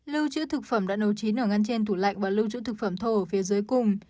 lưu trữ thực phẩm đã nấu chín nở ngăn trên thủ lạnh và lưu trữ thực phẩm thô ở phía dưới cùng